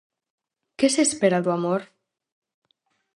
Que se espera do amor?